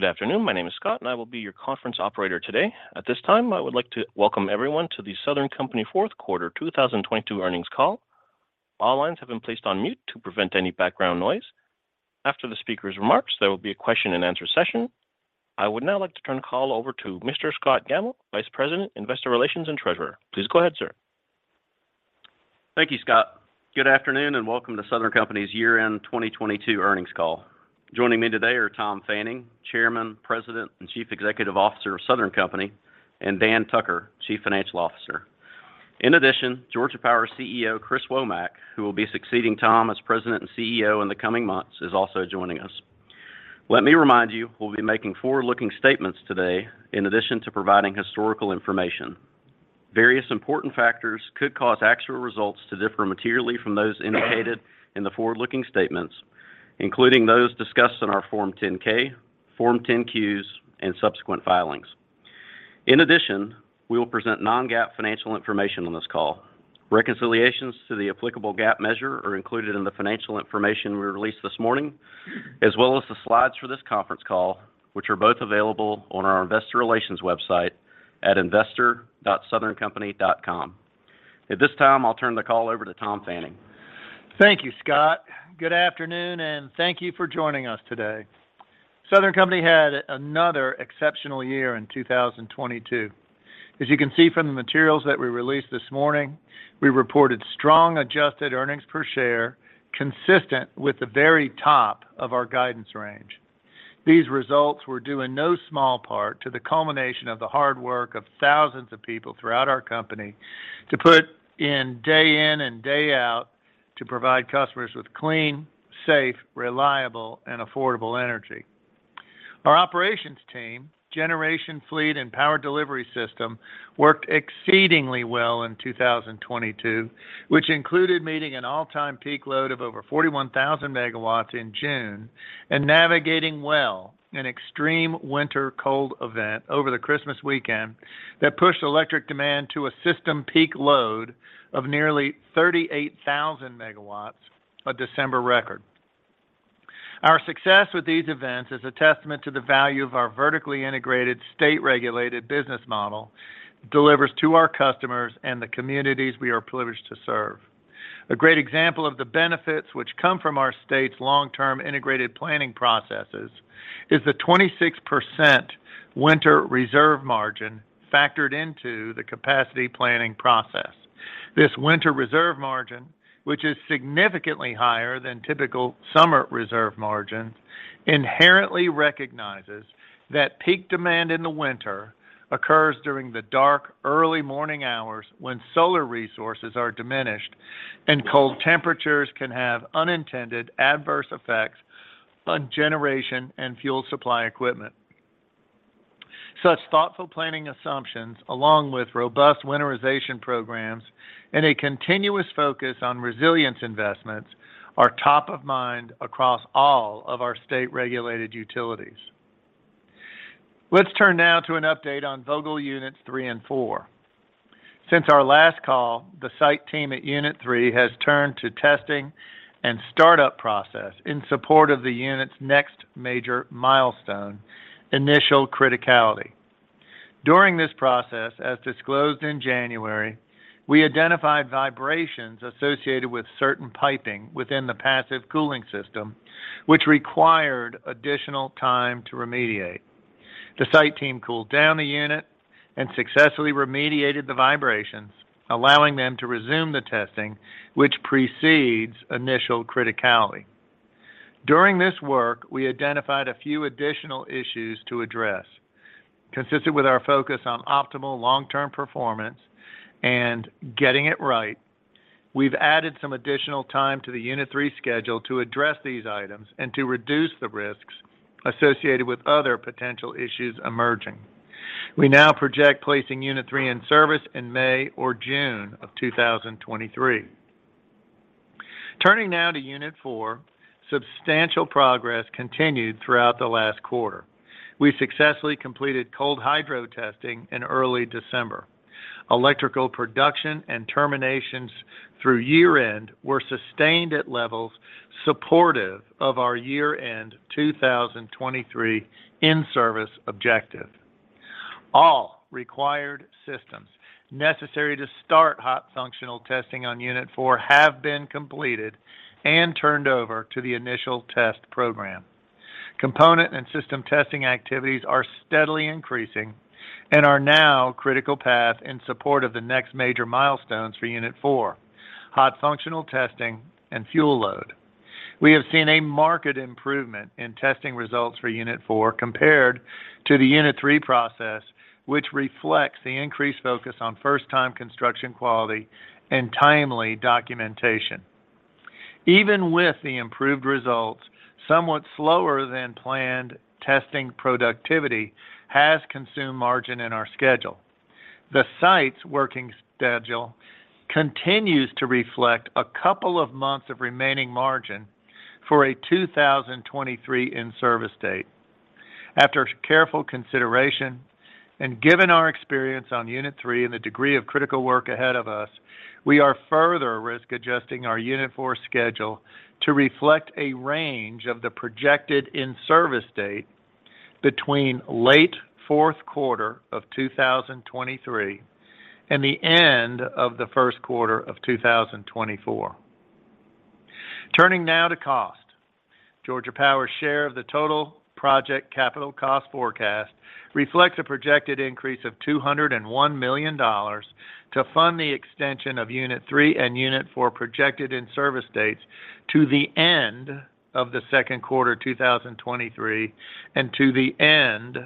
Good afternoon. My name is Scott, and I will be your conference operator today. At this time, I would like to welcome everyone to The Southern Company Fourth Quarter 2022 Earnings Call. All lines have been placed on mute to prevent any background noise. After the speaker's remarks, there will be a question and answer session. I would now like to turn the call over to Mr. Scott Gammill, Vice President, Investor Relations, and Treasurer. Please go ahead, sir. Thank you, Scott. Good afternoon, and welcome to Southern Company's year-end 2022 earnings call. Joining me today are Tom Fanning, Chairman, President, and Chief Executive Officer of Southern Company, and Dan Tucker, Chief Financial Officer. In addition, Georgia Power CEO, Chris Womack, who will be succeeding Tom as President and CEO in the coming months, is also joining us. Let me remind you, we'll be making forward-looking statements today in addition to providing historical information. Various important factors could cause actual results to differ materially from those indicated in the forward-looking statements, including those discussed in our Form 10-K, Form 10-Qs, and subsequent filings. In addition, we will present non-GAAP financial information on this call. Reconciliations to the applicable GAAP measure are included in the financial information we released this morning, as well as the slides for this conference call, which are both available on our investor relations website at investor.southerncompany.com. At this time, I'll turn the call over to Tom Fanning. Thank you, Scott. Good afternoon. Thank you for joining us today. Southern Company had another exceptional year in 2022. As you can see from the materials that we released this morning, we reported strong adjusted earnings per share consistent with the very top of our guidance range. These results were due in no small part to the culmination of the hard work of thousands of people throughout our company to put in day in and day out to provide customers with clean, safe, reliable, and affordable energy. Our operations team, generation fleet, and power delivery system worked exceedingly well in 2022, which included meeting an all-time peak load of over 41,000 megawatts in June and navigating well an extreme winter cold event over the Christmas weekend that pushed electric demand to a system peak load of nearly 38,000 megawatts, a December record. Our success with these events is a testament to the value of our vertically integrated, state-regulated business model delivers to our customers and the communities we are privileged to serve. A great example of the benefits which come from our state's long-term integrated planning processes is the 26% winter reserve margin factored into the capacity planning process. This winter reserve margin, which is significantly higher than typical summer reserve margin, inherently recognizes that peak demand in the winter occurs during the dark, early morning hours when solar resources are diminished and cold temperatures can have unintended adverse effects on generation and fuel supply equipment. Such thoughtful planning assumptions along with robust winterization programs and a continuous focus on resilience investments are top of mind across all of our state-regulated utilities. Let's turn now to an update on Vogtle Units three and four. Since our last call, the site team at Unit three has turned to testing and startup process in support of the Unit's next major milestone, initial criticality. During this process, as disclosed in January, we identified vibrations associated with certain piping within the passive cooling system, which required additional time to remediate. The site team cooled down the Unit and successfully remediated the vibrations, allowing them to resume the testing, which precedes initial criticality. During this work, we identified a few additional issues to address. Consistent with our focus on optimal long-term performance and getting it right, we've added some additional time to the Unit three schedule to address these items and to reduce the risks associated with other potential issues emerging. We now project placing Unit three in service in May or June of 2023. Turning now to Unit four, substantial progress continued throughout the last quarter. We successfully completed cold hydro testing in early December. Electrical production and terminations through year-end were sustained at levels supportive of our year-end 2023 in-service objective. All required systems necessary to start hot functional testing on Unit four have been completed and turned over to the initial test program. Component and system testing activities are steadily increasing and are now critical path in support of the next major milestones for Unit four, hot functional testing and fuel load. We have seen a market improvement in testing results for Unit four compared to the Unit three process, which reflects the increased focus on first-time construction quality and timely documentation. Even with the improved results, somewhat slower than planned testing productivity has consumed margin in our schedule. The site's working schedule continues to reflect a couple of months of remaining margin for a 2023 in-service date. After careful consideration, given our experience on Unit three and the degree of critical work ahead of us, we are further risk adjusting our Unit four schedule to reflect a range of the projected in-service date between late fourth quarter of 2023 and the end of the first quarter of 2024. Turning now to cost. Georgia Power's share of the total project capital cost forecast reflects a projected increase of $201 million to fund the extension of Unit three and Unit four projected in-service dates to the end of the second quarter 2023 and to the end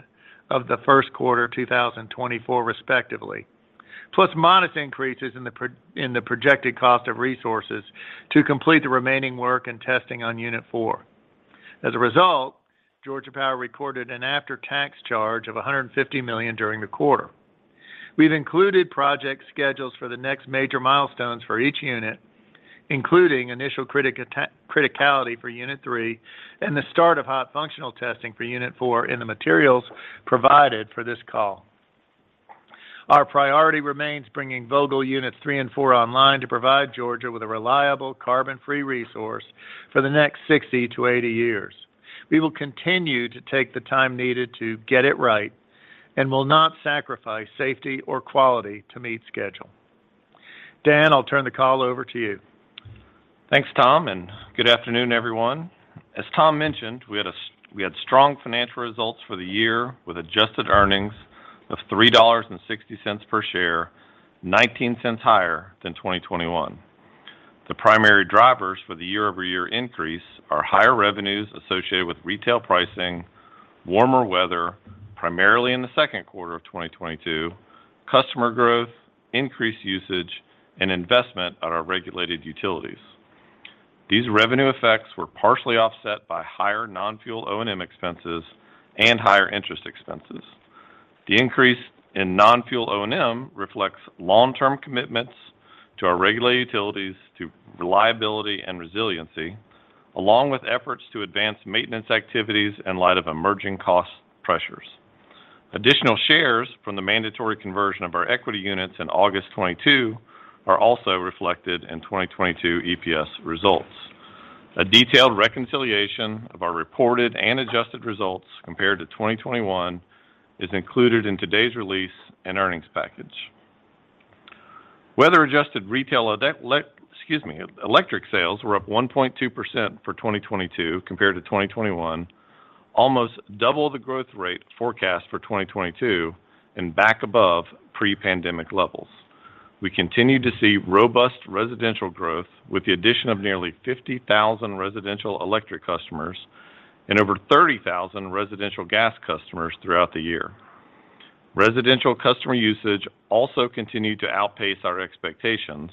of the first quarter 2024 respectively, plus modest increases in the projected cost of resources to complete the remaining work and testing on Unit four. As a result, Georgia Power recorded an after-tax charge of $150 million during the quarter. We've included project schedules for the next major milestones for each unit, including initial criticality for Unit three and the start of hot functional testing for Unit four in the materials provided for this call. Our priority remains bringing Vogtle Units three and four online to provide Georgia with a reliable carbon-free resource for the next 60-80 years. We will continue to take the time needed to get it right and will not sacrifice safety or quality to meet schedule. Dan, I'll turn the call over to you. Thanks, Tom. Good afternoon, everyone. As Tom mentioned, we had strong financial results for the year with adjusted earnings of $3.60 per share, $0.19 higher than 2021. The primary drivers for the year-over-year increase are higher revenues associated with retail pricing, warmer weather, primarily in the second quarter of 2022, customer growth, increased usage, and investment on our regulated utilities. These revenue effects were partially offset by higher non-fuel O&M expenses and higher interest expenses. The increase in non-fuel O&M reflects long-term commitments to our regulated utilities to reliability and resiliency, along with efforts to advance maintenance activities in light of emerging cost pressures. Additional shares from the mandatory conversion of our equity units in August 22 are also reflected in 2022 EPS results. A detailed reconciliation of our reported and adjusted results compared to 2021 is included in today's release and earnings package. Weather-adjusted retail electric sales were up 1.2% for 2022 compared to 2021, almost double the growth rate forecast for 2022 and back above pre-pandemic levels. We continue to see robust residential growth with the addition of nearly 50,000 residential electric customers and over 30,000 residential gas customers throughout the year. Residential customer usage also continued to outpace our expectations,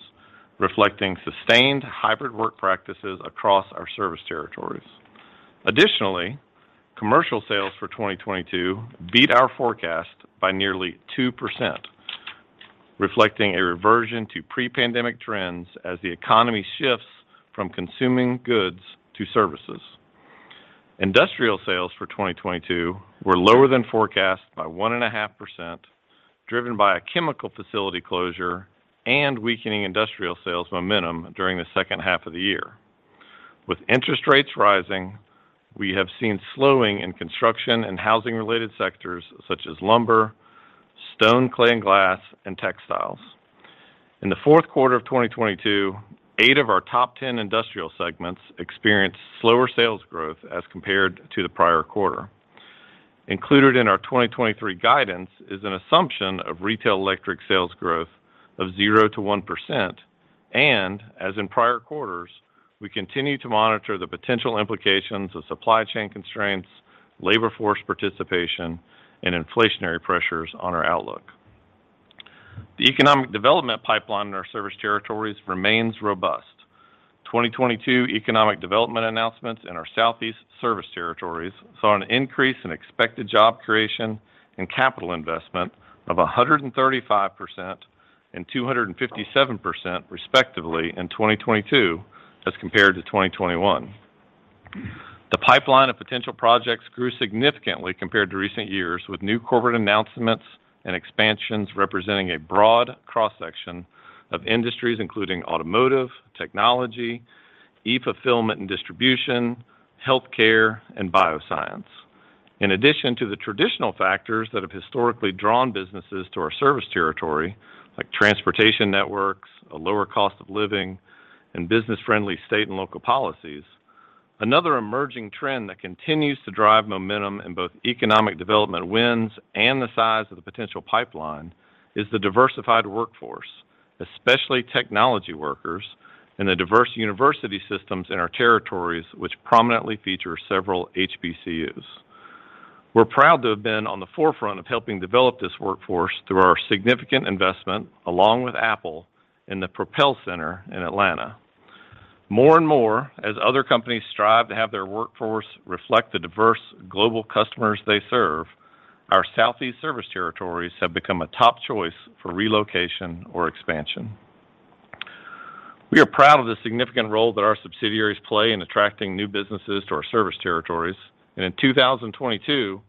reflecting sustained hybrid work practices across our service territories. Commercial sales for 2022 beat our forecast by nearly 2%, reflecting a reversion to pre-pandemic trends as the economy shifts from consuming goods to services. Industrial sales for 2022 were lower than forecast by 1.5%, driven by a chemical facility closure and weakening industrial sales momentum during the second half of the year. With interest rates rising, we have seen slowing in construction and housing-related sectors such as lumber, stone, clay, and glass, and textiles. In the fourth quarter of 2022, eight of our top 10 industrial segments experienced slower sales growth as compared to the prior quarter. Included in our 2023 guidance is an assumption of retail electric sales growth of 0%-1%, and as in prior quarters, we continue to monitor the potential implications of supply chain constraints, labor force participation, and inflationary pressures on our outlook. The economic development pipeline in our service territories remains robust. 2022 economic development announcements in our Southeast service territories saw an increase in expected job creation and capital investment of 135% and 257% respectively in 2022 as compared to 2021. The pipeline of potential projects grew significantly compared to recent years, with new corporate announcements and expansions representing a broad cross-section of industries, including automotive, technology, e-fulfillment and distribution, healthcare, and bioscience. In addition to the traditional factors that have historically drawn businesses to our service territory, like transportation networks, a lower cost of living, and business-friendly state and local policies, another emerging trend that continues to drive momentum in both economic development wins and the size of the potential pipeline is the diversified workforce, especially technology workers in the diverse university systems in our territories, which prominently feature several HBCUs. We're proud to have been on the forefront of helping develop this workforce through our significant investment, along with Apple, in the Propel Center in Atlanta. More and more, as other companies strive to have their workforce reflect the diverse global customers they serve, our southeast service territories have become a top choice for relocation or expansion. We are proud of the significant role that our subsidiaries play in attracting new businesses to our service territories. In 2022,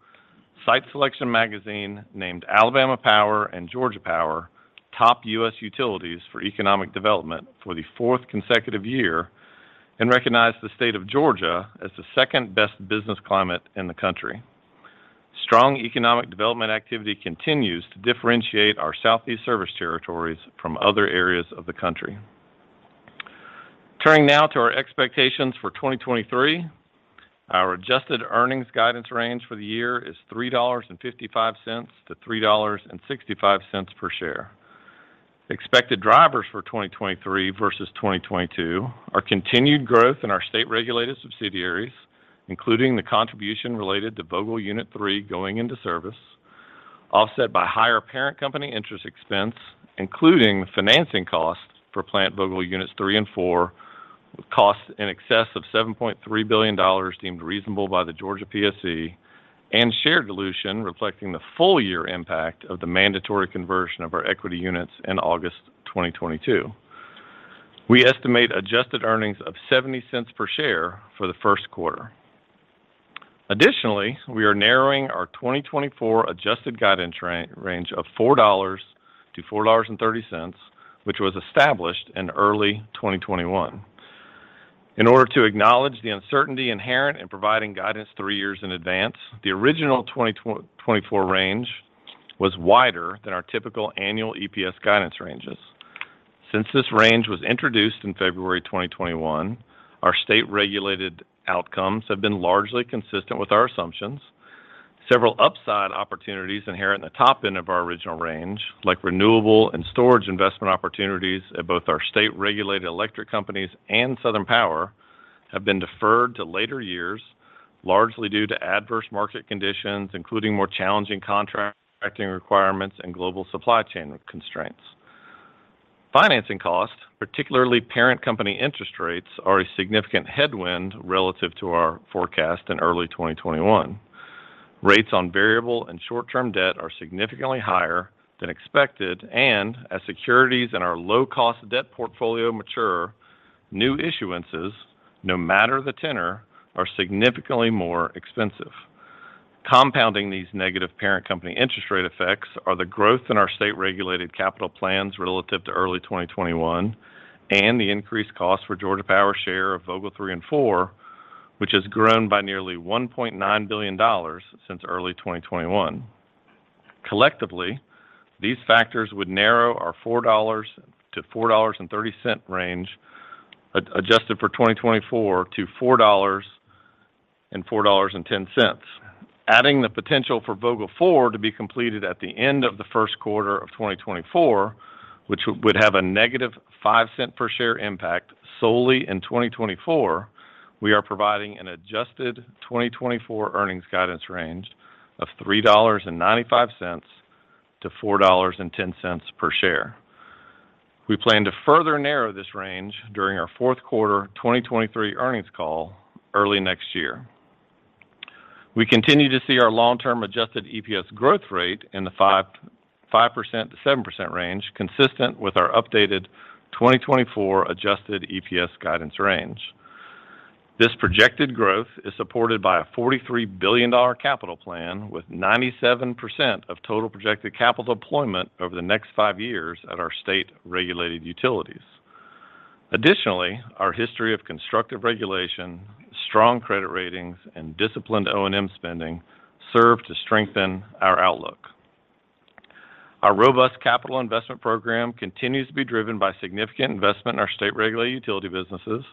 Site Selection magazine named Alabama Power and Georgia Power top U.S. utilities for economic development for the fourth consecutive year and recognized the state of Georgia as the second-best business climate in the country. Strong economic development activity continues to differentiate our Southeast service territories from other areas of the country. Turning now to our expectations for 2023, our adjusted earnings guidance range for the year is $3.55-$3.65 per share. Expected drivers for 2023 versus 2022 are continued growth in our state-regulated subsidiaries, including the contribution related to Vogtle Unit three going into service, offset by higher parent company interest expense, including financing costs for Plant Vogtle Units three and four, with costs in excess of $7.3 billion deemed reasonable by the Georgia PSC and share dilution reflecting the full year impact of the mandatory conversion of our equity units in August 2022. We estimate adjusted earnings of $0.70 per share for the first quarter. Additionally, we are narrowing our 2024 adjusted guidance range of $4.00-$4.30, which was established in early 2021. In order to acknowledge the uncertainty inherent in providing guidance three years in advance, the original 2024 range was wider than our typical annual EPS guidance ranges. Since this range was introduced in February 2021, our state-regulated outcomes have been largely consistent with our assumptions. Several upside opportunities inherent in the top end of our original range, like renewable and storage investment opportunities at both our state-regulated electric companies and Southern Power, have been deferred to later years, largely due to adverse market conditions, including more challenging contracting requirements and global supply chain constraints. Financing costs, particularly parent company interest rates, are a significant headwind relative to our forecast in early 2021. As securities in our low-cost debt portfolio mature, new issuances, no matter the tenor, are significantly more expensive. Compounding these negative parent company interest rate effects are the growth in our state-regulated capital plans relative to early 2021 and the increased cost for Georgia Power's share of Vogtle three and four, which has grown by nearly $1.9 billion since early 2021. Collectively, these factors would narrow our $4.00-$4.30 range adjusted for 2024 to $4.00-$4.10. Adding the potential for Vogtle four to be completed at the end of the first quarter of 2024, which would have a negative $0.05 per share impact solely in 2024, we are providing an adjusted 2024 earnings guidance range of $3.95-$4.10 per share. We plan to further narrow this range during our fourth quarter 2023 earnings call early next year. We continue to see our long-term adjusted EPS growth rate in the 5%-7% range consistent with our updated 2024 adjusted EPS guidance range. This projected growth is supported by a $43 billion capital plan with 97% of total projected capital deployment over the next five years at our state-regulated utilities. Additionally, our history of constructive regulation, strong credit ratings, and disciplined O&M spending serve to strengthen our outlook. Our robust capital investment program continues to be driven by significant investment in our state-regulated utility businesses.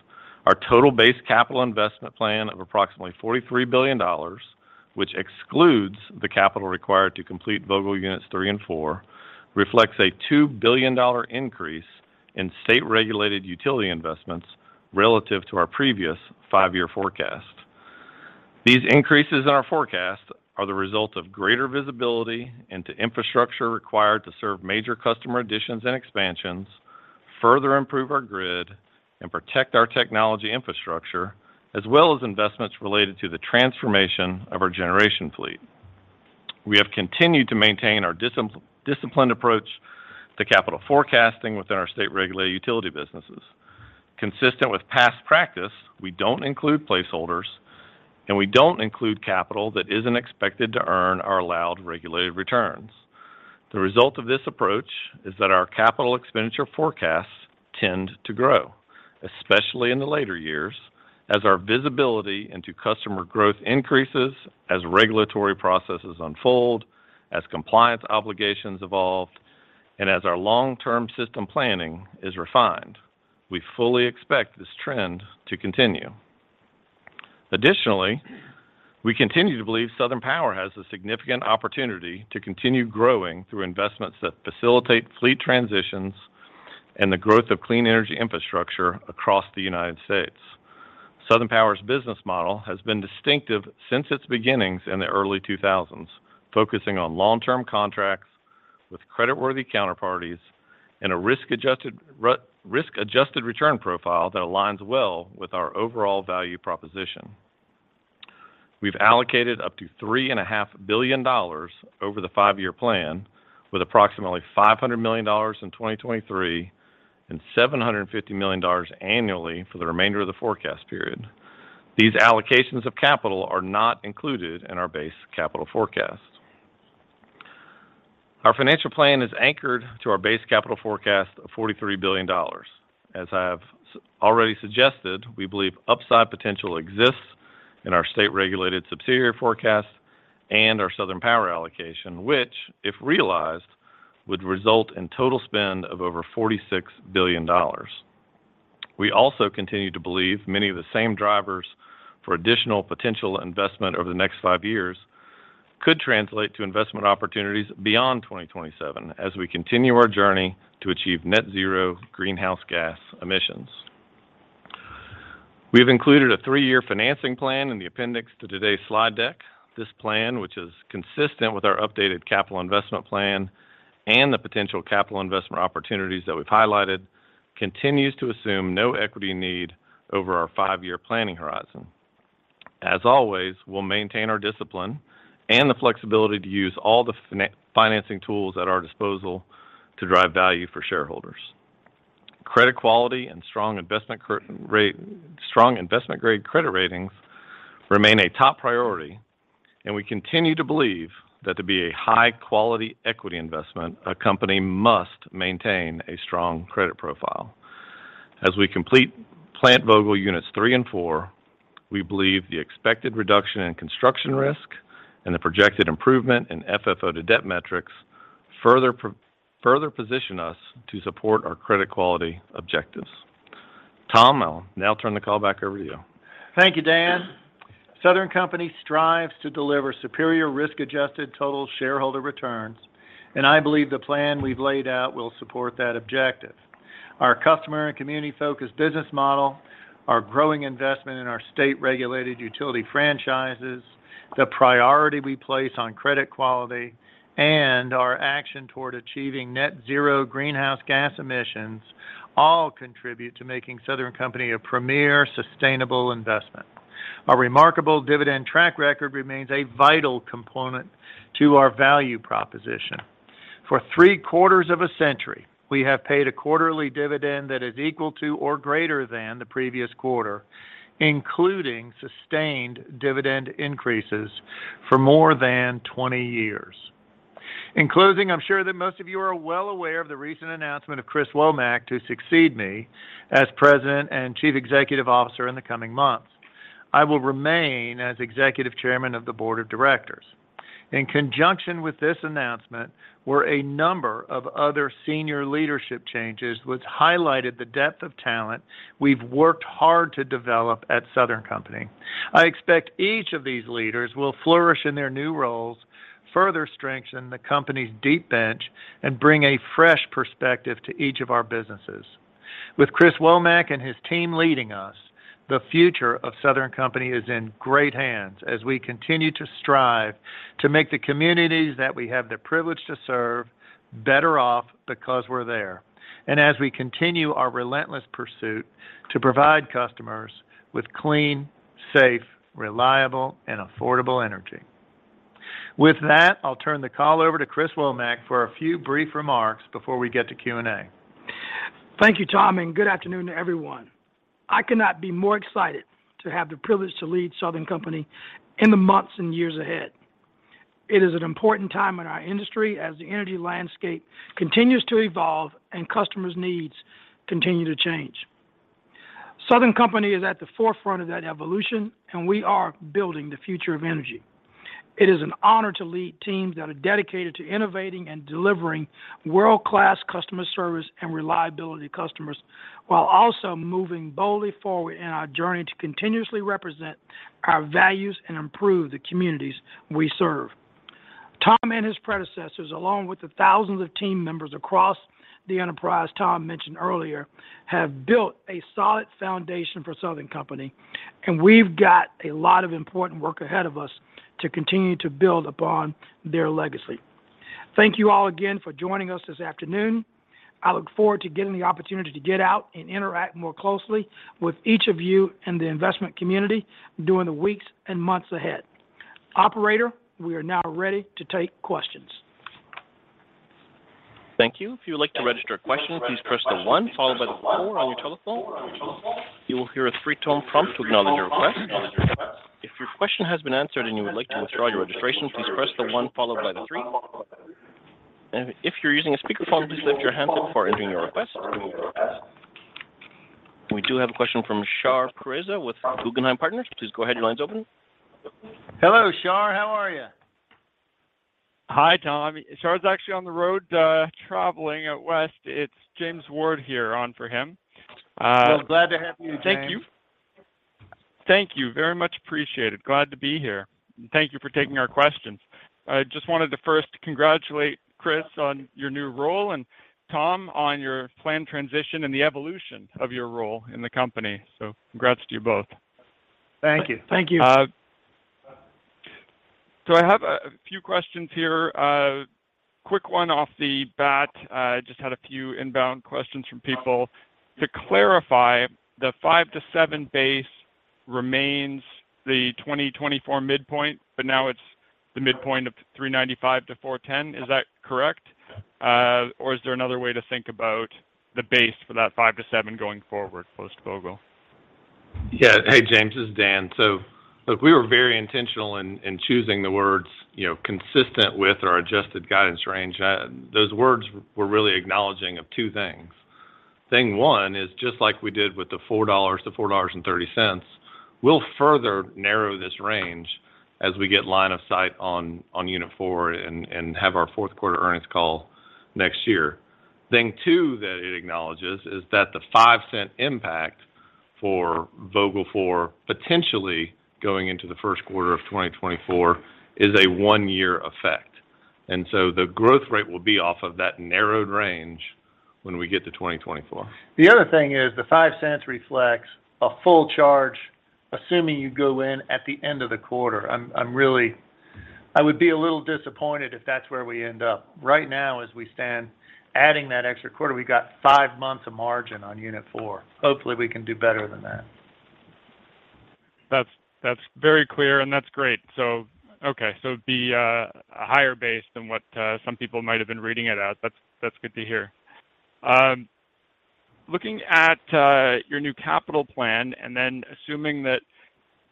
Our total base capital investment plan of approximately $43 billion, which excludes the capital required to complete Vogtle Units three and four, reflects a $2 billion increase in state-regulated utility investments relative to our previous five-year forecast. These increases in our forecast are the result of greater visibility into infrastructure required to serve major customer additions and expansions, further improve our grid, and protect our technology infrastructure, as well as investments related to the transformation of our generation fleet. We have continued to maintain our discipline approach to capital forecasting within our state-regulated utility businesses. Consistent with past practice, we don't include placeholders, and we don't include capital that isn't expected to earn our allowed regulated returns. The result of this approach is that our capital expenditure forecasts tend to grow, especially in the later years, as our visibility into customer growth increases, as regulatory processes unfold, as compliance obligations evolve, and as our long-term system planning is refined. We fully expect this trend to continue. Additionally, we continue to believe Southern Power has a significant opportunity to continue growing through investments that facilitate fleet transitions and the growth of clean energy infrastructure across the United States. Southern Power's business model has been distinctive since its beginnings in the early 2000s, focusing on long-term contracts with creditworthy counterparties and a risk-adjusted return profile that aligns well with our overall value proposition. We've allocated up to $3.5 billion over the five-year plan with approximately $500 million in 2023 and $750 million annually for the remainder of the forecast period. These allocations of capital are not included in our base capital forecast. Our financial plan is anchored to our base capital forecast of $43 billion. As I have already suggested, we believe upside potential exists in our state-regulated subsidiary forecast and our Southern Power allocation, which, if realized, would result in total spend of over $46 billion. We also continue to believe many of the same drivers for additional potential investment over the next five years could translate to investment opportunities beyond 2027 as we continue our journey to achieve net zero greenhouse gas emissions. We've included a three-year financing plan in the appendix to today's slide deck. This plan, which is consistent with our updated capital investment plan and the potential capital investment opportunities that we've highlighted, continues to assume no equity need over our five-year planning horizon. As always, we'll maintain our discipline and the flexibility to use all the financing tools at our disposal to drive value for shareholders. Credit quality and strong investment-grade credit ratings remain a top priority. We continue to believe that to be a high-quality equity investment, a company must maintain a strong credit profile. As we complete Plant Vogtle Units three and four, we believe the expected reduction in construction risk and the projected improvement in FFO to debt metrics further position us to support our credit quality objectives. Tom, I'll now turn the call back over to you. Thank you, Dan. Southern Company strives to deliver superior risk-adjusted total shareholder returns, and I believe the plan we've laid out will support that objective. Our customer and community-focused business model, our growing investment in our state-regulated utility franchises, the priority we place on credit quality, and our action toward achieving net zero greenhouse gas emissions all contribute to making Southern Company a premier sustainable investment. Our remarkable dividend track record remains a vital component to our value proposition. For three-quarters of a century, we have paid a quarterly dividend that is equal to or greater than the previous quarter, including sustained dividend increases for more than 20 years. In closing, I'm sure that most of you are well aware of the recent announcement of Chris Womack to succeed me as President and Chief Executive Officer in the coming months. I will remain as executive chairman of the board of directors. In conjunction with this announcement were a number of other senior leadership changes which highlighted the depth of talent we've worked hard to develop at Southern Company. I expect each of these leaders will flourish in their new roles, further strengthen the company's deep bench, and bring a fresh perspective to each of our businesses. With Chris Womack and his team leading us, the future of Southern Company is in great hands as we continue to strive to make the communities that we have the privilege to serve better off because we're there, and as we continue our relentless pursuit to provide customers with clean, safe, reliable, and affordable energy. With that, I'll turn the call over to Chris Womack for a few brief remarks before we get to Q&A. Thank you, Tom, and good afternoon to everyone. I could not be more excited to have the privilege to lead Southern Company in the months and years ahead. It is an important time in our industry as the energy landscape continues to evolve and customers' needs continue to change. Southern Company is at the forefront of that evolution, and we are building the future of energy. It is an honor to lead teams that are dedicated to innovating and delivering world-class customer service and reliability to customers while also moving boldly forward in our journey to continuously represent our values and improve the communities we serve. Tom and his predecessors, along with the thousands of team members across the enterprise Tom mentioned earlier, have built a solid foundation for Southern Company, and we've got a lot of important work ahead of us to continue to build upon their legacy. Thank you all again for joining us this afternoon. I look forward to getting the opportunity to get out and interact more closely with each of you in the investment community during the weeks and months ahead. Operator, we are now ready to take questions. Thank you. If you would like to register a question, please press the one followed by the four on your telephone. You will hear a three-tone prompt to acknowledge your request. If your question has been answered and you would like to withdraw your registration, please press the one followed by the three. If you're using a speakerphone, please lift your handset before entering your request. We do have a question from Shahriar Pourreza with Guggenheim Partners. Please go ahead. Your line's open. Hello, Shar. How are you? Hi, Tom. Shahriar's actually on the road, traveling out west. It's James Ward here on for him. Well, glad to have you, James. Thank you. Thank you. Very much appreciated. Glad to be here. Thank you for taking our questions. I just wanted to first congratulate Chris on your new role and Tom on your planned transition and the evolution of your role in the company. Congrats to you both. Thank you. Thank you. I have a few questions here. A quick one off the bat, just had a few inbound questions from people. To clarify, the five to seven base remains the 2024 midpoint, but now it's the midpoint of $3.95-$4.10. Is that correct? Is there another way to think about the base for that five to seven going forward post-Vogtle? Yeah. Hey, James, this is Dan. Look, we were very intentional in choosing the words, you know, consistent with our adjusted guidance range. Those words were really acknowledging of two things. Thing one is just like we did with the $4.00-$4.30. We'll further narrow this range as we get line of sight on Unit four and have our fourth quarter earnings call next year. Thing two that it acknowledges is that the $0.05 impact for Vogtle four potentially going into the first quarter of 2024 is a one-year effect, the growth rate will be off of that narrowed range when we get to 2024. The other thing is the $0.05 reflects a full charge, assuming you go in at the end of the quarter. I would be a little disappointed if that's where we end up. Right now as we stand adding that extra quarter, we got five months of margin on Unit four. Hopefully, we can do better than that. That's very clear, and that's great. Okay. It'd be a higher base than what some people might have been reading it as. That's good to hear. Looking at your new capital plan and then assuming that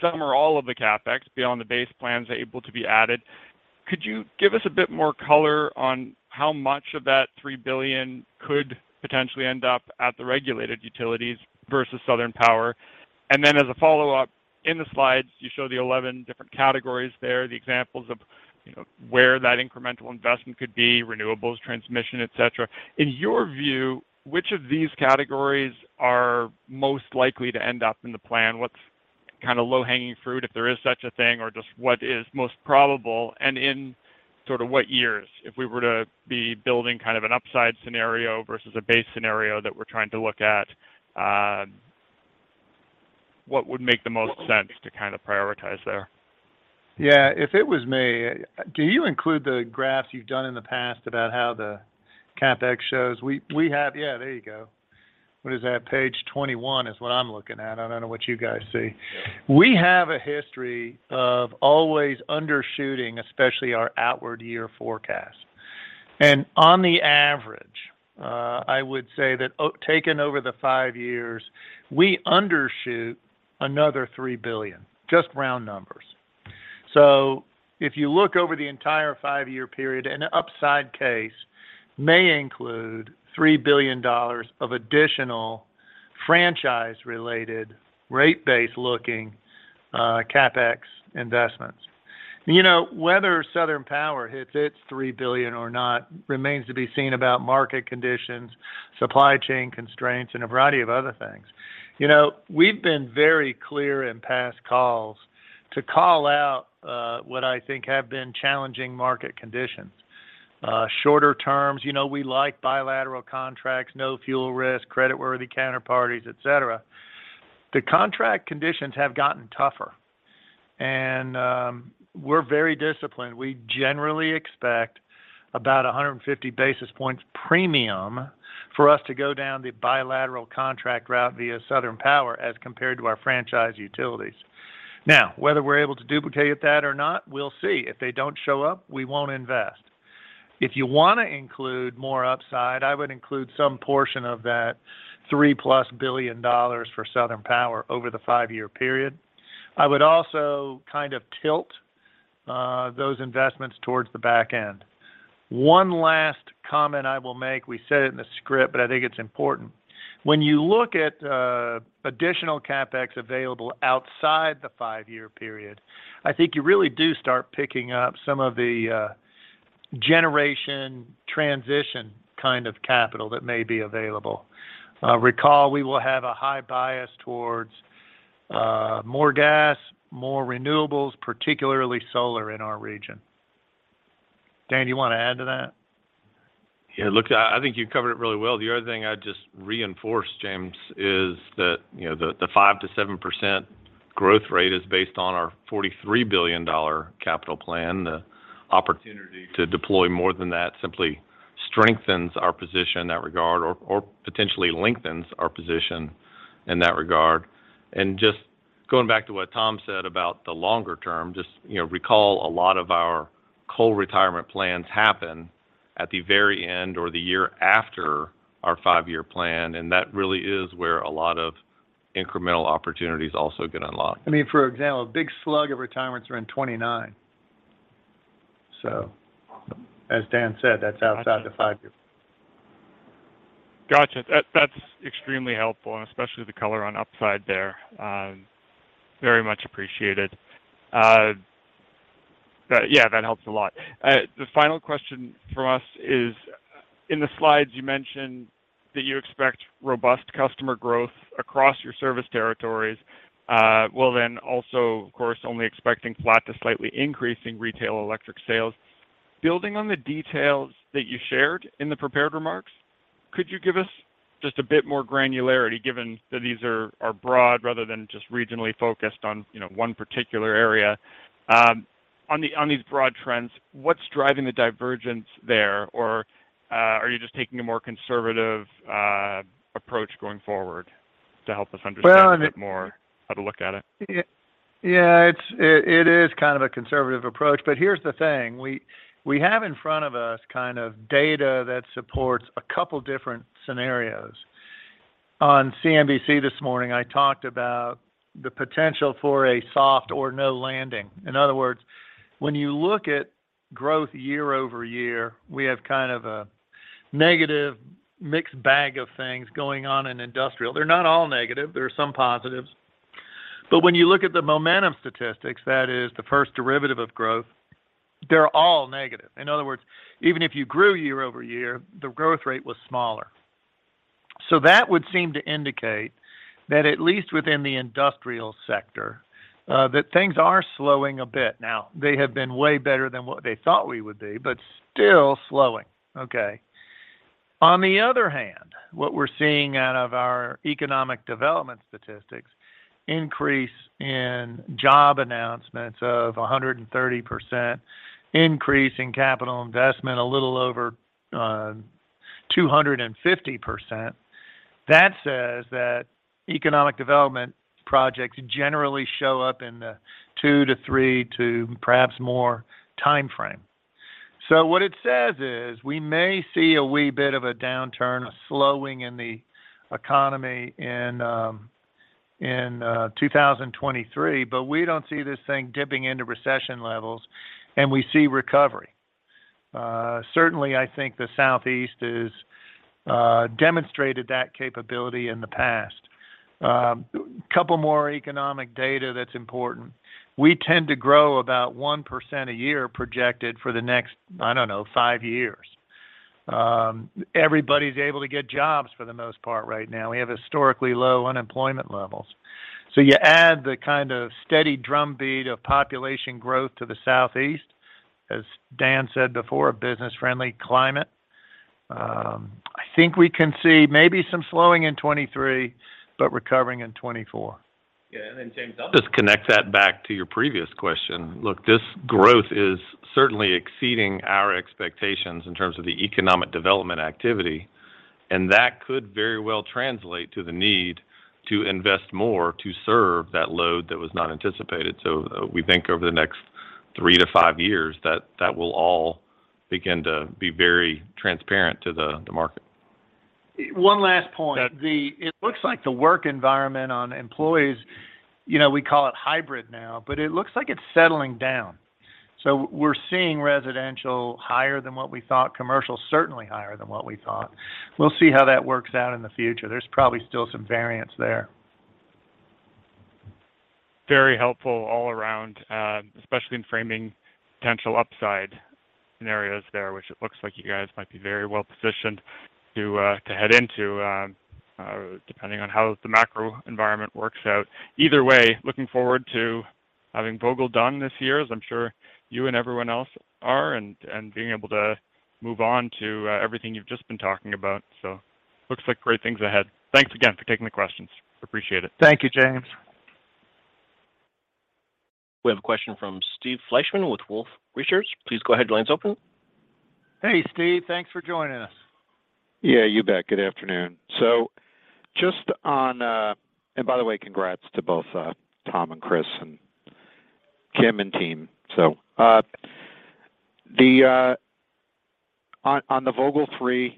some or all of the CapEx beyond the base plan is able to be added, could you give us a bit more color on how much of that $3 billion could potentially end up at the regulated utilities versus Southern Power? As a follow-up, in the slides, you show the 11 different categories there, the examples of, you know, where that incremental investment could be, renewables, transmission, et cetera. In your view, which of these categories are most likely to end up in the plan? What's kinda low-hanging fruit, if there is such a thing, or just what is most probable and in sort of what years? If we were to be building kind of an upside scenario versus a base scenario that we're trying to look at, what would make the most sense to kinda prioritize there? Yeah. Do you include the graphs you've done in the past about how the CapEx shows? We have. Yeah, there you go. What is that? Page 21 is what I'm looking at. I don't know what you guys see. We have a history of always undershooting, especially our outward year forecast. On the average, I would say that taken over the five years, we undershoot another $3 billion, just round numbers. If you look over the entire five-year period, an upside case may include $3 billion of additional franchise-related rate-based looking, CapEx investments. You know, whether Southern Power hits its $3 billion or not remains to be seen about market conditions, supply chain constraints, and a variety of other things. You know, we've been very clear in past calls to call out what I think have been challenging market conditions. Shorter terms, you know, we like bilateral contracts, no fuel risk, creditworthy counterparties, et cetera. The contract conditions have gotten tougher and we're very disciplined. We generally expect about 150 basis points premium for us to go down the bilateral contract route via Southern Power as compared to our franchise utilities. Whether we're able to duplicate that or not, we'll see. If they don't show up, we won't invest. If you wanna include more upside, I would include some portion of that $3+ billion for Southern Power over the five-year period. I would also kind of tilt those investments towards the back end. One last comment I will make. We said it in the script, but I think it's important. When you look at, additional CapEx available outside the five-year period, I think you really do start picking up some of the, generation transition kind of capital that may be available. Recall we will have a high bias towards, more gas, more renewables, particularly solar in our region. Dan, do you want to add to that? Yeah, look, I think you covered it really well. The other thing I'd just reinforce, James, is that, you know, the 5%-7% growth rate is based on our $43 billion capital plan. The opportunity to deploy more than that simply strengthens our position in that regard or potentially lengthens our position in that regard. Just going back to what Tom said about the longer term, just, you know, recall a lot of our coal retirement plans happen at the very end or the year after our five-year plan, and that really is where a lot of incremental opportunities also get unlocked. I mean, for example, a big slug of retirements are in 2029. So, as Dan said, that's outside the five years. Gotcha. That's extremely helpful, and especially the color on upside there. Very much appreciated. Yeah, that helps a lot. The final question from us is: In the slides, you mentioned that you expect robust customer growth across your service territories, while then also, of course, only expecting flat to slightly increasing retail electric sales. Building on the details that you shared in the prepared remarks. Could you give us just a bit more granularity, given that these are broad rather than just regionally focused on, you know, one particular area? On these broad trends, what's driving the divergence there? Are you just taking a more conservative approach going forward? To help us understand. Well. A bit more how to look at it. Yeah. Yeah. It is kind of a conservative approach. Here's the thing. We have in front of us kind of data that supports a couple of different scenarios. On CNBC this morning, I talked about the potential for a soft or no landing. In other words, when you look at growth year-over-year, we have kind of a negative mixed bag of things going on in industrial. They're not all negative. There are some positives. When you look at the momentum statistics, that is the first derivative of growth, they're all negative. In other words, even if you grew year-over-year, the growth rate was smaller. That would seem to indicate that at least within the industrial sector, that things are slowing a bit. They have been way better than what they thought we would be, but still slowing. Okay? On the other hand, what we're seeing out of our economic development statistics increase in job announcements of 130%, increase in capital investment a little over 250%. That says economic development projects generally show up in the two to three to perhaps more timeframe. What it says is we may see a wee bit of a downturn, a slowing in the economy in 2023, but we don't see this thing dipping into recession levels. We see recovery. Certainly, I think the Southeast has demonstrated that capability in the past. Couple more economic data that's important. We tend to grow about 1% a year projected for the next, I don't know, five years. Everybody's able to get jobs for the most part right now. We have historically low unemployment levels. You add the kind of steady drumbeat of population growth to the Southeast, as Dan said before, a business-friendly climate, I think we can see maybe some slowing in 2023, but recovering in 2024. Yeah. Then James, Dan. Just connect that back to your previous question. Look, this growth is certainly exceeding our expectations in terms of the economic development activity, and that could very well translate to the need to invest more to serve that load that was not anticipated. We think over the next three to five years that that will all begin to be very transparent to the market. One last point. Yeah. It looks like the work environment on employees, you know, we call it hybrid now, but it looks like it's settling down. We're seeing residential higher than what we thought. Commercial, certainly higher than what we thought. We'll see how that works out in the future. There's probably still some variance there. Very helpful all around, especially in framing potential upside scenarios there, which it looks like you guys might be very well-positioned to head into, depending on how the macro environment works out. Either way, looking forward to having Vogtle done this year, as I'm sure you and everyone else are, and being able to move on to everything you've just been talking about. Looks like great things ahead. Thanks again for taking the questions. Appreciate it. Thank you, James. We have a question from Steve Fleishman with Wolfe Research. Please go ahead. Your line's open. Hey, Steve. Thanks for joining us. Yeah, you bet. Good afternoon. By the way, congrats to both, Tom and Chris, and Jim and team. On the Vogtle three,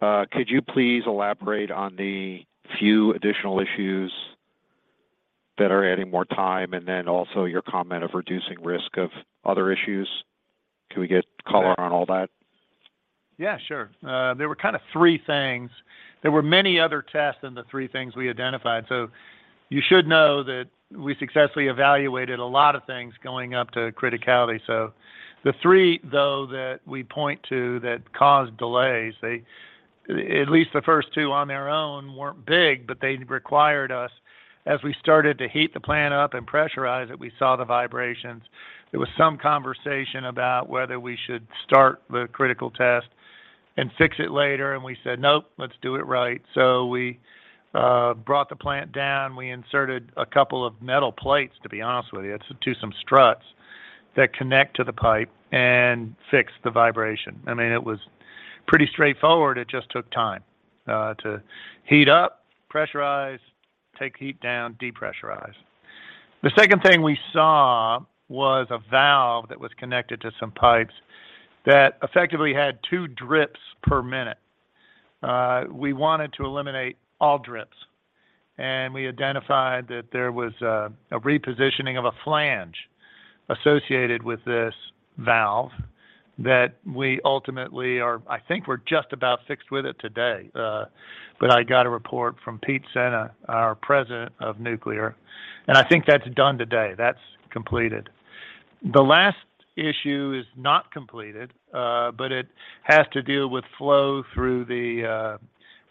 could you please elaborate on the few additional issues that are adding more time, and then also your comment of reducing risk of other issues? Can we get color on all that? Yeah, sure. There were kind of three things. There were many other tests than the three things we identified. You should know that we successfully evaluated a lot of things going up to criticality. The three, though, that we point to that caused delays, at least the first two on their own weren't big, but they required us. As we started to heat the plant up and pressurize it, we saw the vibrations. There was some conversation about whether we should start the critical test and fix it later. We said, "Nope, let's do it right." We brought the plant down. We inserted a couple of metal plates, to be honest with you, to some struts that connect to the pipe and fixed the vibration. I mean, it was pretty straightforward. It just took time to heat up, pressurize, take heat down, depressurize. The second thing we saw was a valve that was connected to some pipes that effectively had two drips per minute. We wanted to eliminate all drips, and we identified that there was a repositioning of a flange associated with this valve that we ultimately, I think we're just about fixed with it today. I got a report from Pete Sena, our President of Nuclear, and I think that's done today. That's completed. The last issue is not completed, but it has to do with flow through the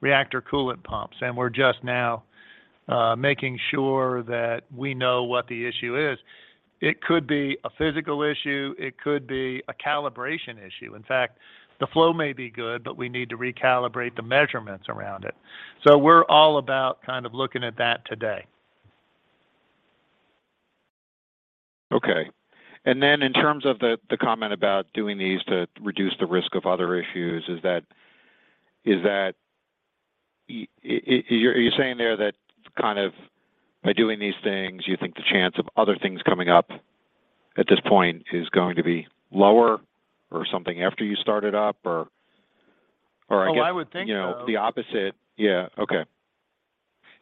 reactor coolant pumps, and we're just now making sure that we know what the issue is. It could be a physical issue, it could be a calibration issue. In fact, the flow may be good, but we need to recalibrate the measurements around it. We're all about kind of looking at that today. Okay. Then in terms of the comment about doing these to reduce the risk of other issues, are you saying there that kind of by doing these things, you think the chance of other things coming up at this point is going to be lower or something after you start it up? Or I guess? Oh, I would think so. You know, the opposite. Yeah. Okay.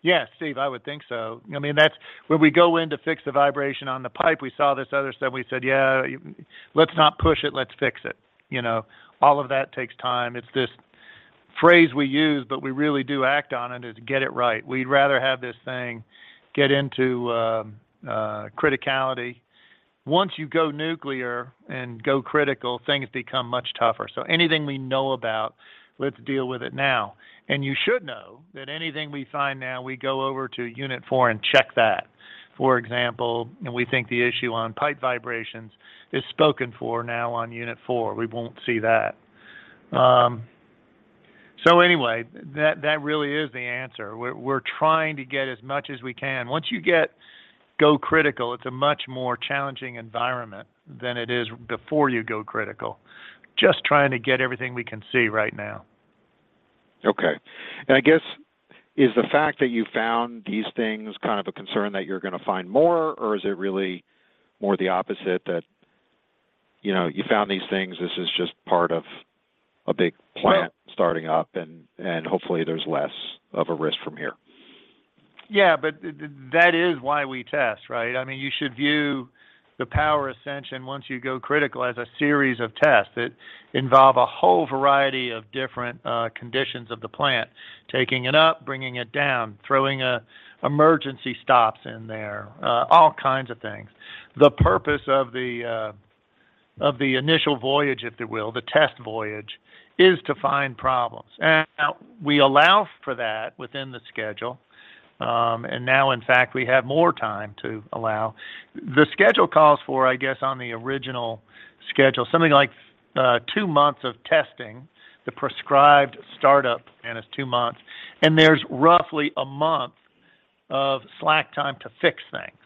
Yeah, Steve, I would think so. I mean, that's where we go in to fix the vibration on the pipe, we saw this other stuff, we said, "Yeah, let's not push it. Let's fix it." You know, all of that takes time. It's this phrase we use, but we really do act on it, is get it right. We'd rather have this thing get into criticality. Once you go nuclear and go critical, things become much tougher. Anything we know about, let's deal with it now. You should know that anything we find now, we go over to Unit four and check that. For example, we think the issue on pipe vibrations is spoken for now on Unit four. We won't see that. Anyway, that really is the answer. We're, we're trying to get as much as we can. Once you go critical, it's a much more challenging environment than it is before you go critical. Just trying to get everything we can see right now. Okay. I guess, is the fact that you found these things kind of a concern that you're gonna find more? Is it really more the opposite that, you know, you found these things, this is just part of a big plant starting up, and hopefully there's less of a risk from here? Yeah, that is why we test, right? I mean, you should view the power ascension once you go critical as a series of tests that involve a whole variety of different conditions of the plant. Taking it up, bringing it down, throwing emergency stops in there, all kinds of things. The purpose of the initial voyage, if you will, the test voyage, is to find problems. We allow for that within the schedule, and now in fact, we have more time to allow. The schedule calls for, I guess, on the original schedule, something like two months of testing. The prescribed startup and it's two months, and there's roughly a month of slack time to fix things.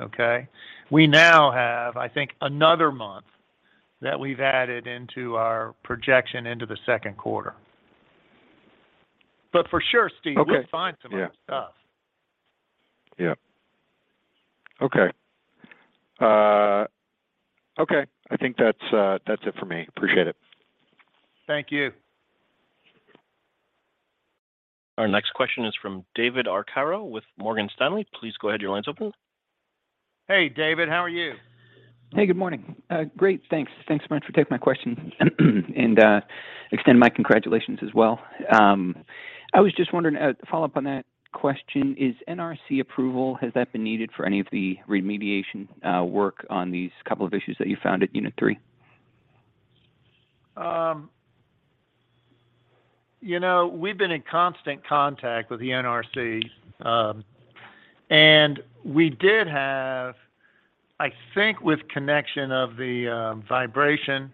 Okay? We now have, I think, another month that we've added into our projection into the second quarter. For sure, Steve Okay We'll find some more stuff. Okay. Okay. I think that's it for me. Appreciate it. Thank you. Our next question is from David Arcaro with Morgan Stanley. Please go ahead, your line's open. Hey, David, how are you? Hey, good morning. Great. Thanks. Thanks so much for taking my question and extend my congratulations as well. I was just wondering, to follow up on that question, has that been needed for any of the remediation work on these couple of issues that you found at Unit three? You know, we've been in constant contact with the NRC, and we did have, I think with connection of the vibration,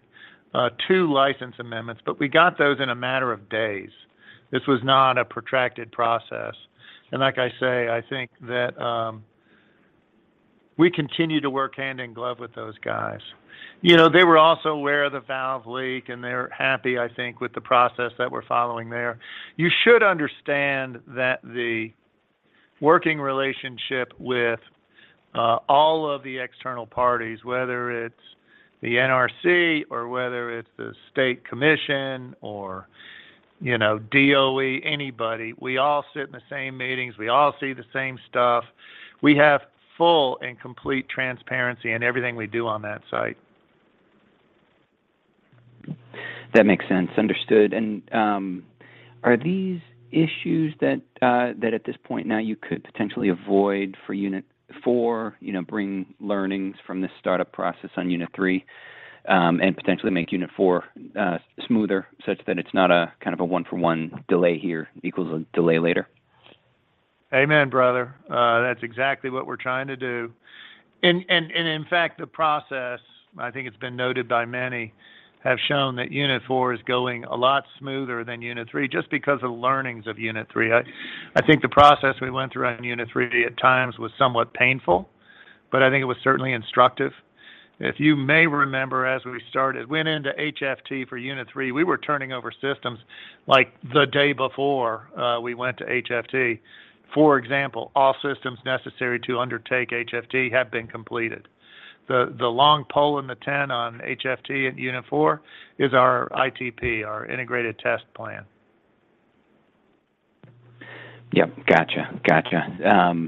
two license amendments, but we got those in a matter of days. This was not a protracted process. Like I say, I think that we continue to work hand in glove with those guys. You know, they were also aware of the valve leak, and they're happy, I think, with the process that we're following there. You should understand that the working relationship with all of the external parties, whether it's the NRC or whether it's the State Commission or, you know, DOE, anybody, we all sit in the same meetings, we all see the same stuff. We have full and complete transparency in everything we do on that site. That makes sense. Understood. Are these issues that at this point now you could potentially avoid for Unit four, you know, bring learnings from this startup process on Unit three, and potentially make Unit four smoother such that it's not a kind of a one-for-one delay here equals a delay later? Amen, brother. That's exactly what we're trying to do. In fact, the process, I think it's been noted by many, have shown that Unit four is going a lot smoother than Unit three just because of the learnings of Unit three. I think the process we went through on Unit three at times was somewhat painful, but I think it was certainly instructive. If you may remember, as we started, went into HFT for Unit three, we were turning over systems like the day before we went to HFT. For example, all systems necessary to undertake HFT have been completed. The long pole in the tent on HFT at Unit four is our ITP, our integrated test plan. Yep. Gotcha. Gotcha.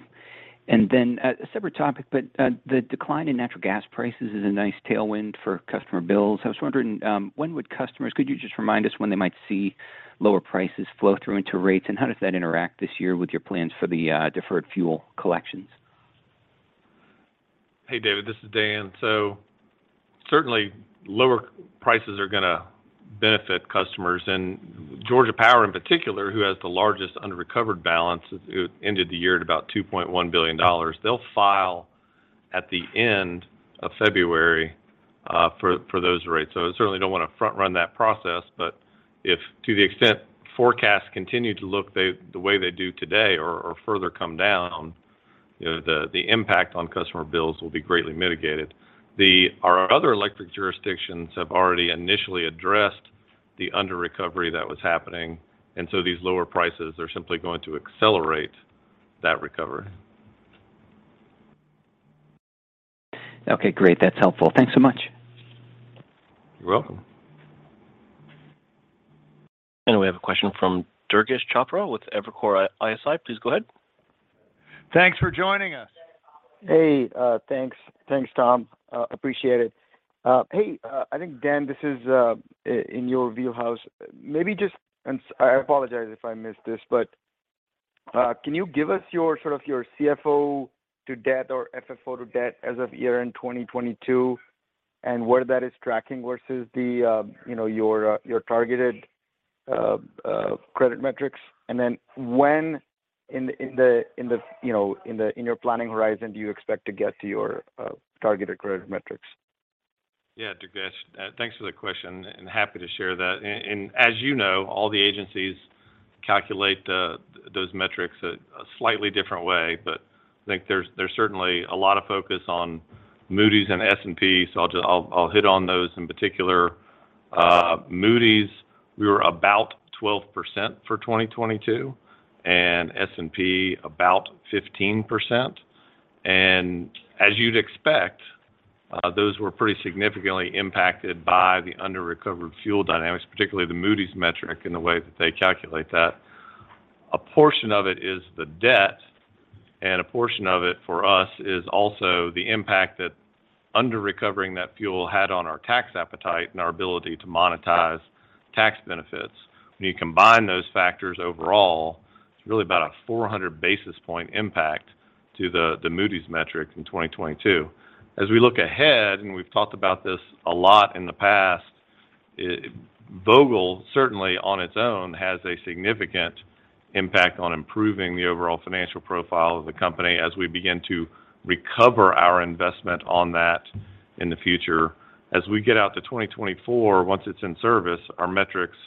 A separate topic, the decline in natural gas prices is a nice tailwind for customer bills. I was wondering, when would customers, could you just remind us when they might see lower prices flow through into rates, and how does that interact this year with your plans for the deferred fuel collections? Hey, David, this is Dan. Certainly lower prices are going to benefit customers. Georgia Power in particular, who has the largest under-recovered balance, it ended the year at about $2.1 billion. They'll file at the end of February for those rates. I certainly don't want to front-run that process. But if to the extent forecasts continue to look the way they do today or further come down, you know, the impact on customer bills will be greatly mitigated. Our other electric jurisdictions have already initially addressed the under-recovery that was happening, and so these lower prices are simply going to accelerate that recovery. Okay, great. That's helpful. Thanks so much. You're welcome. We have a question from Durgesh Chopra with Evercore ISI. Please go ahead. Thanks for joining us. Hey, thanks. Thanks, Tom. Appreciate it. Hey, I think, Dan, this is in your wheelhouse. Maybe just I apologize if I missed this, but can you give us your sort of your CFO to debt or FFO to debt as of year-end 2022 and where that is tracking versus the, you know, your targeted credit metrics? Then when in the, you know, in the, in your planning horizon do you expect to get to your targeted credit metrics? Yeah. Durgesh, thanks for the question, and happy to share that. As you know, all the agencies calculate those metrics a slightly different way, but I think there's certainly a lot of focus on Moody's and S&P, I'll just hit on those in particular. Moody's, we were about 12% for 2022, and S&P about 15%. As you'd expect, those were pretty significantly impacted by the under-recovered fuel dynamics, particularly the Moody's metric and the way that they calculate that. A portion of it is the debt, a portion of it, for us, is also the impact that under-recovering that fuel had on our tax appetite and our ability to monetize tax benefits. When you combine those factors overall, it's really about a 400 basis point impact to the Moody's metric in 2022. As we look ahead, we've talked about this a lot in the past, Vogtle, certainly on its own, has a significant impact on improving the overall financial profile of the company as we begin to recover our investment on that in the future. As we get out to 2024, once it's in service, our metrics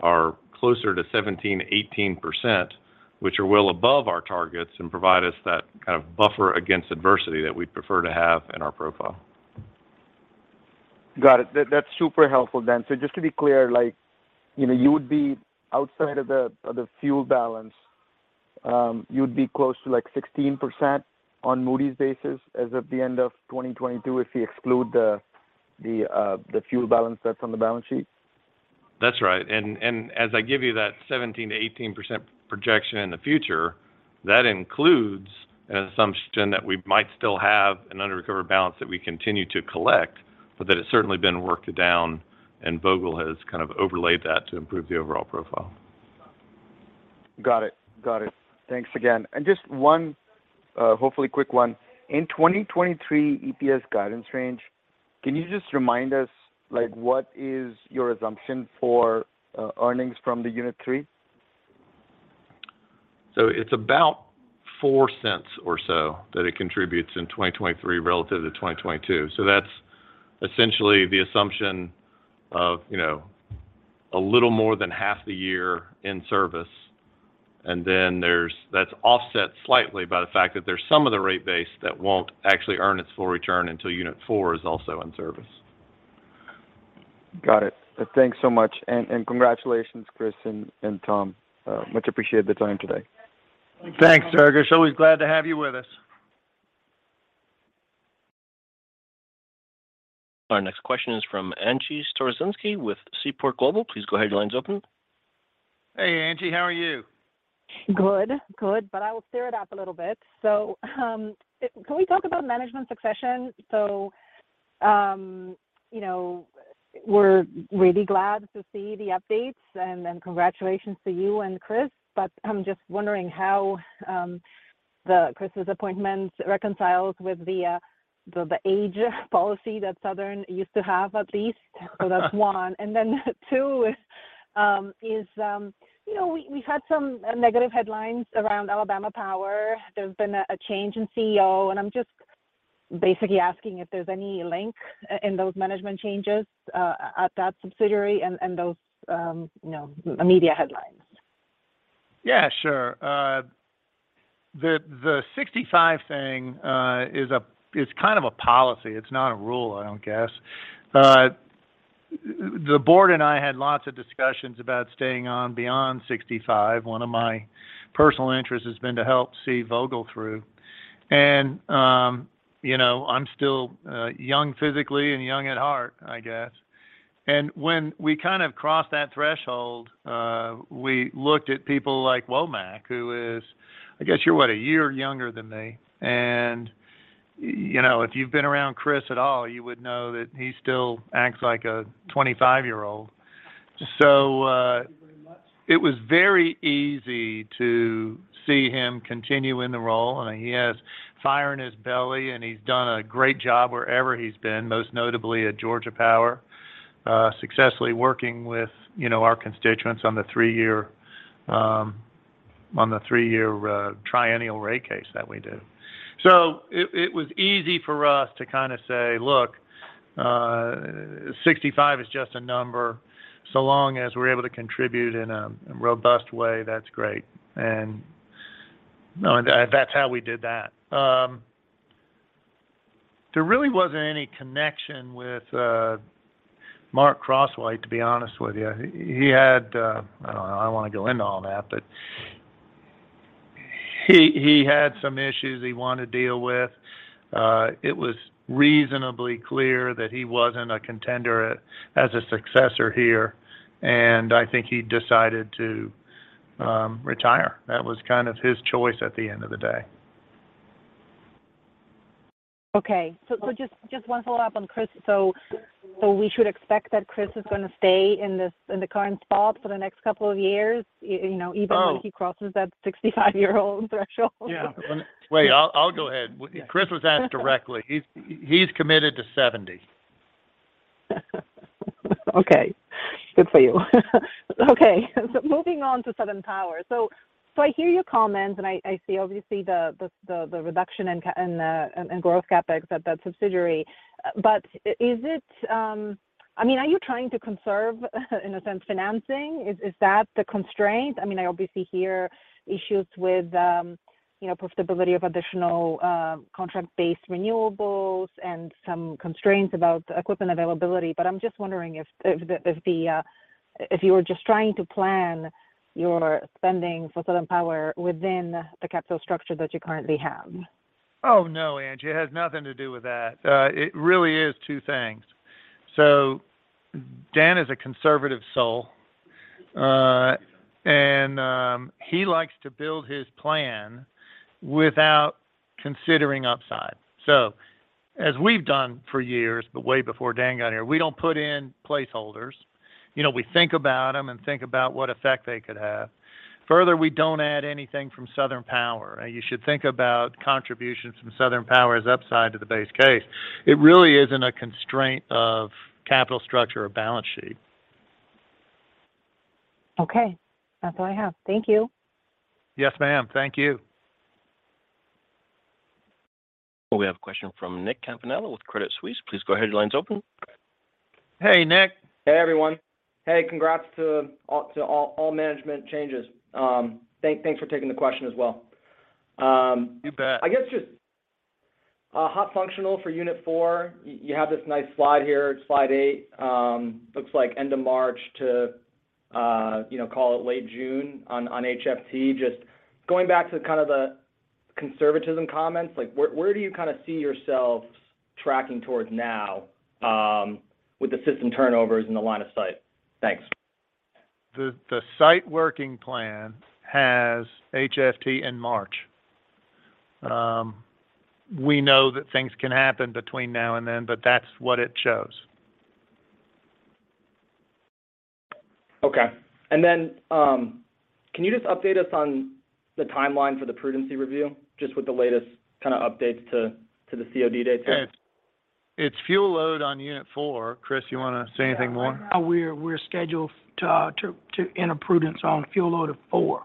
are closer to 17%-18%, which are well above our targets and provide us that kind of buffer against adversity that we'd prefer to have in our profile. Got it. That's super helpful, Dan. Just to be clear, like, you know, you would be outside of the fuel balance, you'd be close to like 16% on Moody's basis as of the end of 2022 if you exclude the fuel balance that's on the balance sheet? That's right. And as I give you that 17%-18% projection in the future, that includes an assumption that we might still have an under-recovered balance that we continue to collect, but that it's certainly been worked down and Vogtle has kind of overlaid that to improve the overall profile. Got it. Got it. Thanks again. Just one, hopefully quick one. In 2023 EPS guidance range, can you just remind us, like what is your assumption for earnings from the Unit three? It's about $0.04 or so that it contributes in 2023 relative to 2022. That's essentially the assumption of, you know, a little more than half the year in service, and then that's offset slightly by the fact that there's some of the rate base that won't actually earn its full return until Unit four is also in service. Got it. Thanks so much. Congratulations, Chris and Tom. Much appreciated the time today. Thanks, Durgesh. Always glad to have you with us. Our next question is from Angie Storozynski with Seaport Global. Please go ahead. Your line's open. Hey, Angie. How are you? Good. Good. I will stir it up a little bit. Can we talk about management succession? You know, we're really glad to see the updates, and congratulations to you and Chris. I'm just wondering how Chris's appointment reconciles with the age policy that Southern used to have at least. That's one. Two is, you know, we've had some negative headlines around Alabama Power. There's been a change in CEO, and I'm just basically asking if there's any link in those management changes at that subsidiary and those, you know, media headlines. Yeah, sure. The 65 thing is a kind of a policy. It's not a rule, I don't guess. The board and I had lots of discussions about staying on beyond 65. One of my personal interests has been to help see Vogtle through. You know, I'm still young physically and young at heart, I guess. When we kind of crossed that threshold, we looked at people like Womack, who is, I guess you're, what, a year younger than me. You know, if you've been around Chris at all, you would know that he still acts like a 25-year-old. It was very easy to see him continue in the role. He has fire in his belly, and he's done a great job wherever he's been, most notably at Georgia Power, successfully working with, you know, our constituents on the three-year, triennial rate case that we did. It was easy for us to kinda say, "Look, 65 is just a number." Long as we're able to contribute in a robust way, that's great. No, and that's how we did that. There really wasn't any connection with Mark Crosswhite, to be honest with you. He had I don't know, I don't wanna go into all that, but he had some issues he wanted to deal with. It was reasonably clear that he wasn't a contender as a successor here, and I think he decided to retire. That was kind of his choice at the end of the day. Okay. Just one follow-up on Chris. We should expect that Chris is gonna stay in this, in the current spot for the next couple of years, you know. Oh Even when he crosses that 65-year-old threshold? Yeah. Wait, I'll go ahead. Yeah. Chris was asked directly. He's committed to 70. Okay. Good for you. Okay. Moving on to Southern Power. I hear your comments, and I see obviously the reduction in growth CapEx at that subsidiary. Is it, I mean, are you trying to conserve, in a sense, financing? Is that the constraint? I mean, I obviously hear issues with, you know, profitability of additional contract-based renewables and some constraints about equipment availability. I'm just wondering if you are just trying to plan your spending for Southern Power within the capital structure that you currently have. Oh, no, Angie. It has nothing to do with that. It really is two things. Dan is a conservative soul. And he likes to build his plan without considering upside. As we've done for years, but way before Dan got here, we don't put in placeholders. You know, we think about them and think about what effect they could have. Further, we don't add anything from Southern Power. You should think about contributions from Southern Power as upside to the base case. It really isn't a constraint of capital structure or balance sheet. Okay. That's all I have. Thank you. Yes, ma'am. Thank you. We have a question from Nicholas Campanella with Credit Suisse. Please go ahead. Your line's open. Hey, Nick. Hey, everyone. Hey, congrats to all management changes. Thanks for taking the question as well. You bet. I guess just hot functional for Unit four, you have this nice slide here, slide eight. Looks like end of March to, you know, call it late June on HFT. Just going back to kind of the conservatism comments, like, where do you kind of see yourselves tracking towards now, with the system turnovers and the line of sight? Thanks. The site working plan has HFT in March. We know that things can happen between now and then, but that's what it shows. Okay. Can you just update us on the timeline for the prudency review, just with the latest kind of updates to the COD dates there? It's fuel load on Unit four. Chris, you wanna say anything more? Yeah. We're scheduled to enter prudence on fuel load of four.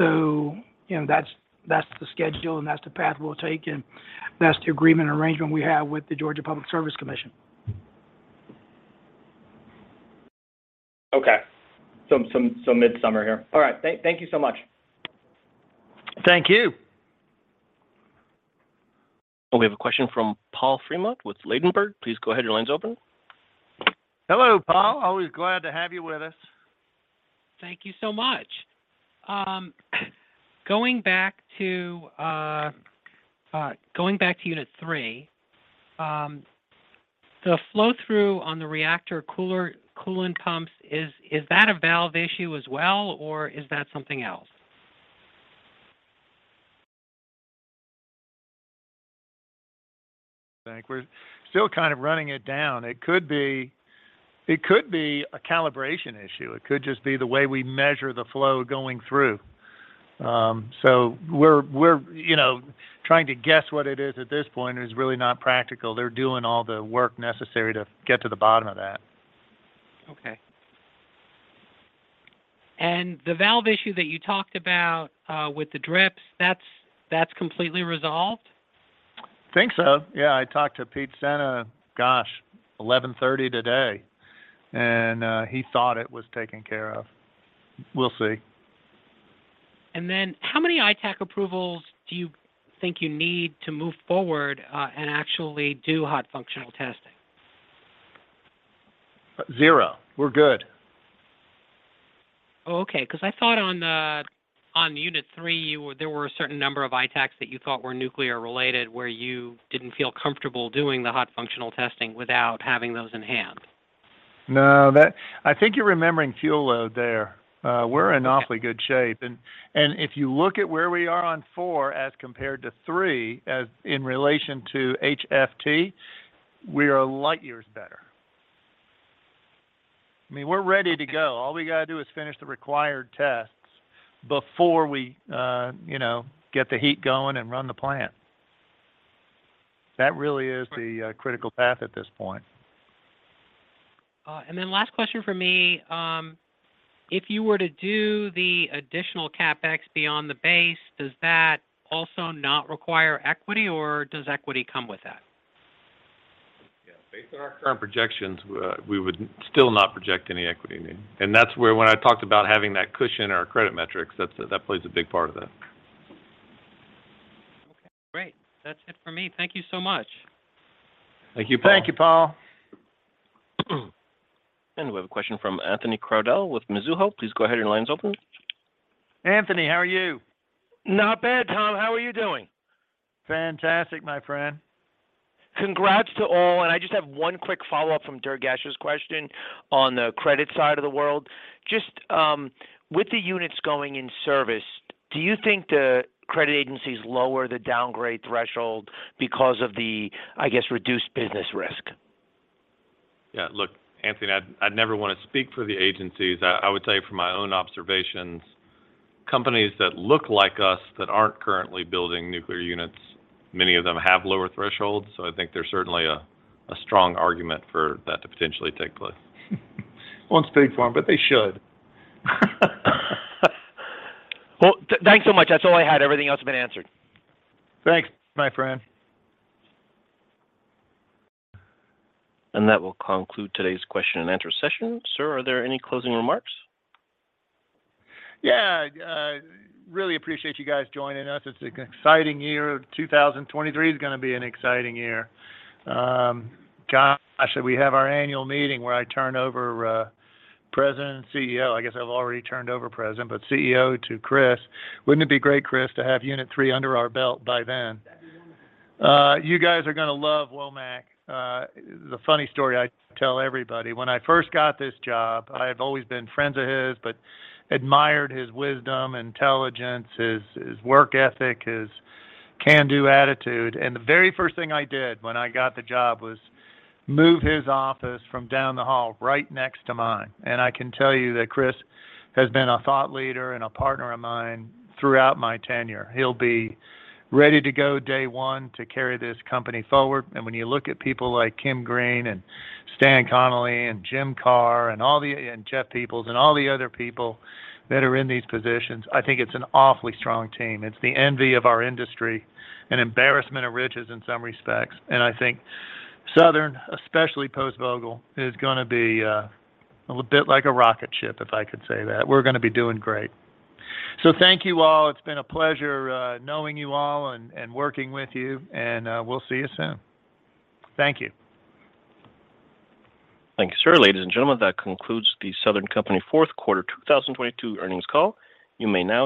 You know, that's the schedule, and that's the path we'll take, and that's the agreement arrangement we have with the Georgia Public Service Commission. Okay. So midsummer here. All right. Thank you so much. Thank you. We have a question from Paul Fremont with Ladenburg. Please go ahead. Your line's open. Hello, Paul. Always glad to have you with us. Thank you so much. going back to Unit three, the flow-through on the reactor coolant pumps, is that a valve issue as well, or is that something else? I think we're still kind of running it down. It could be, it could be a calibration issue. It could just be the way we measure the flow going through. We're, you know, trying to guess what it is at this point, and it's really not practical. They're doing all the work necessary to get to the bottom of that. Okay. The valve issue that you talked about, with the drips, that's completely resolved? Think so. Yeah, I talked to Pete Sena, gosh, 11:30 A.M. today, and he thought it was taken care of. We'll see. How many ITAAC approvals do you think you need to move forward, and actually do hot functional testing? Zero. We're good. Oh, okay, 'cause I thought on Unit three, there were a certain number of ITAACs that you thought were nuclear related, where you didn't feel comfortable doing the hot functional testing without having those in hand. No, I think you're remembering fuel load there. We're in awfully good shape. If you look at where we are on four as compared to three as in relation to HFT. We are light years better. I mean, we're ready to go. All we gotta do is finish the required tests before we, you know, get the heat going and run the plant. That really is the critical path at this point. Last question from me. If you were to do the additional CapEx beyond the base, does that also not require equity, or does equity come with that? Yeah. Based on our current projections, we would still not project any equity need. That's where when I talked about having that cushion in our credit metrics, that plays a big part of that. Okay, great. That's it for me. Thank you so much. Thank you, Paul. Thank you, Paul. We have a question from Anthony Crowdell with Mizuho. Please go ahead, your line's open. Anthony, how are you? Not bad, Tom. How are you doing? Fantastic, my friend. Congrats to all. I just have one quick follow-up from Durgesh's question on the credit side of the world. Just, with the units going in service, do you think the credit agencies lower the downgrade threshold because of the, I guess, reduced business risk? Yeah, look, Anthony, I'd never wanna speak for the agencies. I would say from my own observations, companies that look like us that aren't currently building nuclear units, many of them have lower thresholds, so I think there's certainly a strong argument for that to potentially take place. Won't speak for them, but they should. Well, thanks so much. That's all I had. Everything else has been answered. Thanks. Bye, friend. That will conclude today's question and answer session. Sir, are there any closing remarks? Yeah. Really appreciate you guys joining us. It's an exciting year. 2023 is gonna be an exciting year. Gosh, we have our annual meeting where I turn over president and CEO. I guess I've already turned over president, but CEO to Chris. Wouldn't it be great, Chris, to have Unit three under our belt by then? You guys are gonna love Womack. The funny story I tell everybody, when I first got this job, I've always been friends of his, but admired his wisdom, intelligence, his work ethic, his can-do attitude. The very first thing I did when I got the job was move his office from down the hall right next to mine. I can tell you that Chris has been a thought leader and a partner of mine throughout my tenure. He'll be ready to go day one to carry this company forward. When you look at people like Kim Greene and Stan Connally and Jim Kerr and Jeff Peoples, and all the other people that are in these positions, I think it's an awfully strong team. It's the envy of our industry and embarrassment of riches in some respects. I think Southern, especially post-Vogtle, is gonna be a bit like a rocket ship, if I could say that. We're gonna be doing great. Thank you, all. It's been a pleasure knowing you all and working with you, and we'll see you soon. Thank you. Thank you, sir. Ladies and gentlemen, that concludes the Southern Company fourth quarter 2022 earnings call. You may now disconnect.